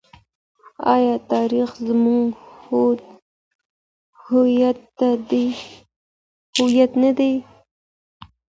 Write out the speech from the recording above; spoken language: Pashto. آیا تاریخ زموږ هویت نه دی؟